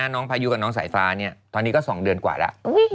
พายุกับน้องสายฟ้าเนี่ยตอนนี้ก็๒เดือนกว่าแล้ว